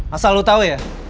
asal lo tau ya